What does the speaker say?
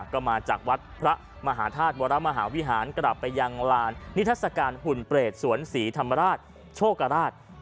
ก็มาจากวัดพระมหาธาตุวรมหาวิหารกลับไปยังลานนิทัศกาลหุ่นเปรตสวนศรีธรรมราชโชคราช